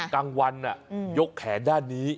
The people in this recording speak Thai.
ดังกลางวันน่ะยกแขนด้านนี้